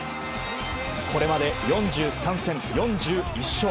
これまで４３戦４１勝。